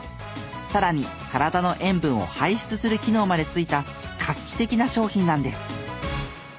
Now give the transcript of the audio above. さらに体の塩分を排出する機能までついた画期的な商品なんです！